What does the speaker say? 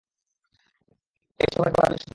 এই সময়টাকে বলা হয় প্ল্যাঙ্ক সময়।